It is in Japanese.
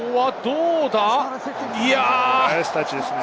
ナイスタッチですね。